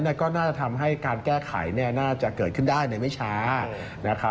ก็น่าจะทำให้การแก้ไขน่าจะเกิดขึ้นได้ในไม่ช้านะครับ